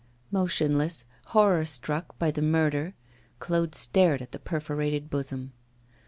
Motionless, horror struck by that murder, Claude stared at the perforated bosom.